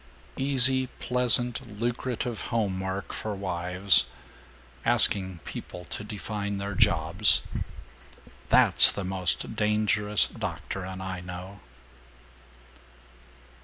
... Easy, pleasant, lucrative home work for wives: asking people to define their jobs. That's the most dangerous doctrine I know!"